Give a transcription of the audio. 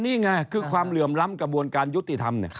นี่ไงคือความเหลื่อมล้ำกระบวนการยุติธรรม